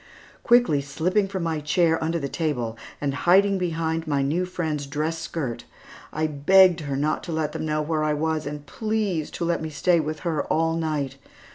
Quickly slipping from my chair, under the table, and hiding behind my new friend's dress skirt, I begged her not to let them know where I was, and please, to let me stay with her all night.